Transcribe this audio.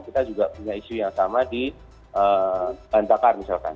kita juga punya isu yang sama di bandakar misalkan